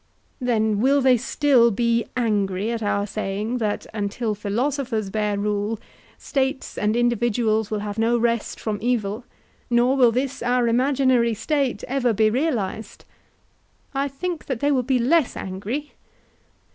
Then will they still be angry at our saying, that, until philosophers bear rule, States and individuals will have no rest from evil, nor will this our imaginary State ever be realized? I think that they will be less angry.